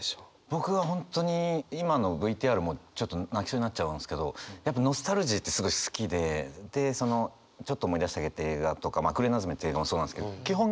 僕は本当に今のＶＴＲもちょっと泣きそうになっちゃうんですけどやっぱノスタルジーってすごい好きででその「ちょっと思い出しただけ」って映画とかまあ「くれなずめ」っていう映画もそうなんですけど基本